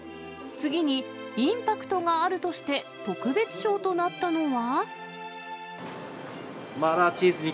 次にインパクトがあるとして、特別賞となったのは。